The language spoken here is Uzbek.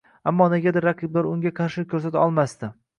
Ammo negadir raqiblari unga qarshilik koʻrsata olmasdi